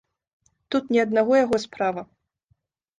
Тут не аднаго яго справа.